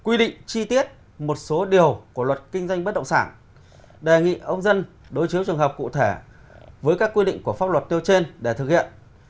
quy định chi tiết một số điều của luật kinh doanh bất động sản đề nghị ông dân đối chiếu trường hợp cụ thể với các quy định của pháp luật nêu trên để thực hiện